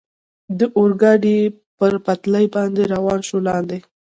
د اورګاډي پر پټلۍ باندې روان شو، لاندې.